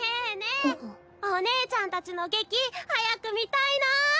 えおねえちゃんたちの劇早く見たいなぁ。